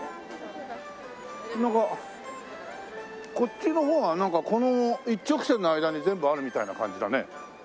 なんかこっちの方がなんかこの一直線の間に全部あるみたいな感じだね。